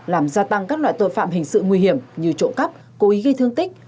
làm gia tăng các loại tội phạm hình sự nguy hiểm như trộm cắp cố ý gây thương tích